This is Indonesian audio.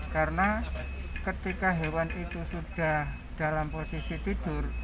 karena ketika hewan itu sudah dalam posisi tidur